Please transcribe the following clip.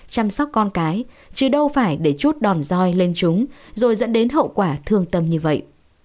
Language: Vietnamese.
chăm sóc con cái chứ đâu phải để chút đòn roi lên chúng rồi dẫn đến hậu quả thương tâm như vậy